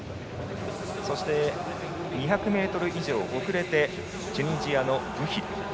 そして、２００ｍ以上送れてチュニジアのブヒリ。